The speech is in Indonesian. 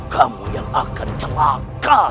kamu yang akan celaka